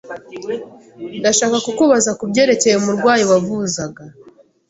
Ndashaka kukubaza kubyerekeye umurwayi wavuzaga.